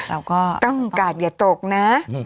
เออต้องกากอย่าตกนะ